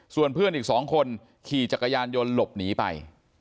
ส่วนเพื่อนอีก๒คนขี่จักรยานยนต์หลบหนีไป